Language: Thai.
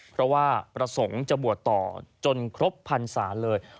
เพราะว่าประสงค์จะบวชต่อจนครบพรรษาเลย